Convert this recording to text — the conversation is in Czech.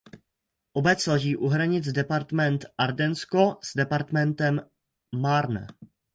Obec leží u hranic departement Ardensko s departementem Marne.